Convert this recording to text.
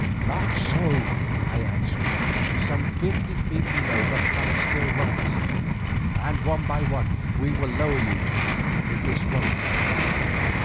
"Not so," I answered; "some fifty feet below the path still runs, and one by one we will lower you to it with this rope."